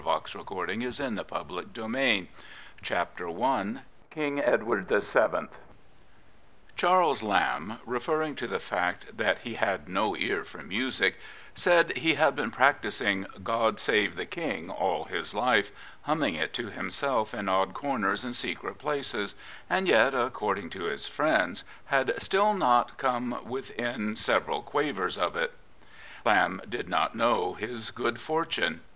„ 214 Rudyard Kipling .•• 324 G. K« Chesterton ••« 341 6 KING EDWARD VII Charles Lamb, referring to the fact that he had no ear for music, said he had been practising " God Save the King " all his life, humming it to himself in odd corners and secret places, and yet, according to his friends, had still not come within several quavejrs of it. Lamb did not know his good fortune.